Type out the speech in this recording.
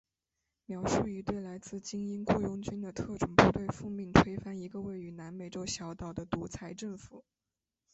描述一队来自精英雇佣军的特种部队奉命推翻一个位于南美洲小岛的独裁政府。